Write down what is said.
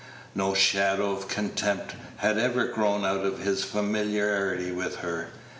No shadow of contempt had ever grown out of his familiarity with her.